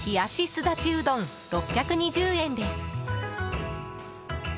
すだちうどん６２０円です。